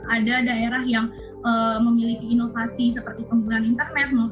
ada daerah yang memiliki inovasi seperti penggunaan internet